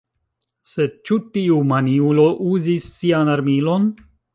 Sed ĉu tiu maniulo uzis sian armilon?